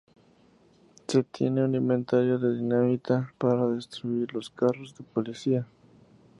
Se tiene un inventario de dinamita para destruir los carros de policía.